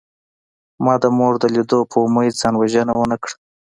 ما د مور د لیدو په امید ځان وژنه ونکړه